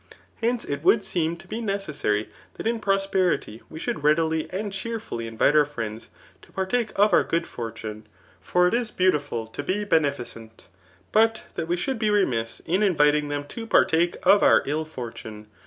Hence, it would seem to be necessary, that in prosperity we should readily and cheerfully invite our friends to partake of our good for* tune ; for it is beaudful to be beneficent, but that we should be remiss in inviting them to partake of our ill Digitized by Google cnjLp. ri. &THtcd. 86a fbitune.